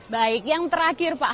baik yang terakhir pak